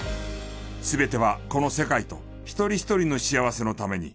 全てはこの世界と一人一人の幸せのために。